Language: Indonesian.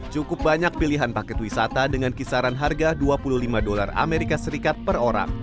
cukup banyak pilihan paket wisata dengan kisaran harga dua puluh lima dolar as per orang